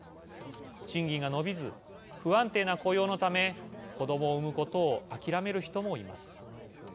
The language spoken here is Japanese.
賃金が伸びず不安定な雇用のため子どもを産むことを諦める人もいます。